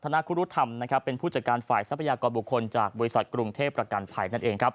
ธนคุรุธรรมเป็นผู้จัดการฝ่ายทรัพยากรบุคคลจากบริษัทกรุงเทพฯประกันภัย